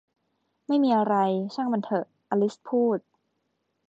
ไม่มีอะไร ช่างมันเถอะ อลิสพูด